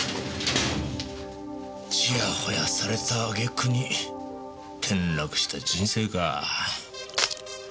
ちやほやされた揚げ句に転落した人生か。